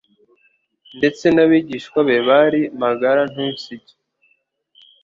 Ndetse n'abigishwa be bari magara ntunsige,